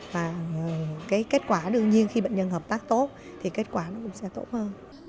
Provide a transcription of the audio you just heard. và cái kết quả đương nhiên khi bệnh nhân hợp tác tốt thì kết quả nó cũng sẽ tốt hơn